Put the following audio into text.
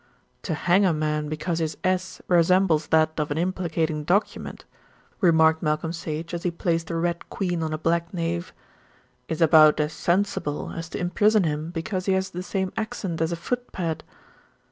"To hang a man because his 's' resembles that of an implicating document," remarked Malcolm Sage, as he placed a red queen on a black knave, "is about as sensible as to imprison him because he has the same accent as a foot pad."